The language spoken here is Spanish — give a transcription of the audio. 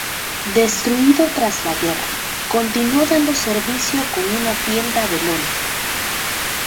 Destruido tras la guerra, continuó dando servicio con una tienda de lona.